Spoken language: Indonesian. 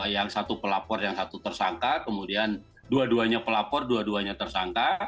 yang satu pelapor yang satu tersangka kemudian dua duanya pelapor dua duanya tersangka